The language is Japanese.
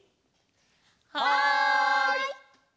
はい！